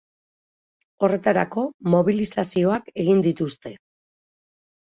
Horretarako, mobilizazioak egin dituzte.